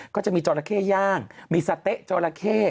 ก็จะมีจราเข้ย่างมีสะเต๊ะจอราเข้